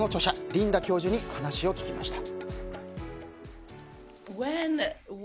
リンダ教授に話を聞きました。